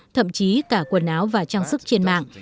thậm chí cả quần áo và trang sức trên mạng